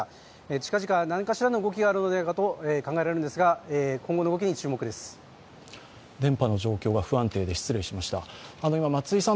近々、何かしらの動きがあるのではと考えられるんですが、電波の状況が不安定で失礼しました。